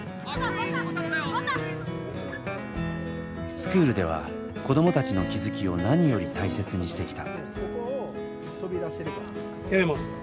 スクールでは子どもたちの気づきを何より大切にしてきた。